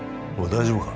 大丈夫か？